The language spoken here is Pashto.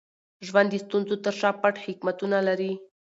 ژوند د ستونزو تر شا پټ حکمتونه لري.